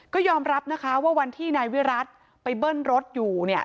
ก็ยอมรับนะคะว่าวันที่นายวิรัติไปเบิ้ลรถอยู่เนี่ย